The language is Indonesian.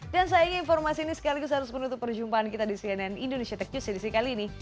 dan sayangnya informasi ini sekaligus harus menutup perjumpaan kita di cnn indonesia tech news sedisi kali ini